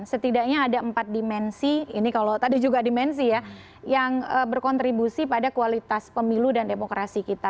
setidaknya ada empat dimensi ini kalau tadi juga dimensi ya yang berkontribusi pada kualitas pemilu dan demokrasi kita